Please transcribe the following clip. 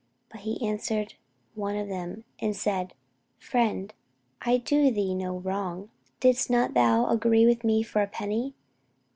But he answered one of them, and said, Friend, I do thee no wrong: didst not thou agree with me for a penny?